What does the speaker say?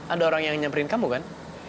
ada orang yang nyamperin kamu kan